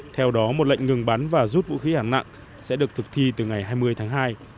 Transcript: theo đó một lệnh ngừng bắn và rút vũ khí hạng nặng sẽ được thực thi từ ngày hai mươi tháng hai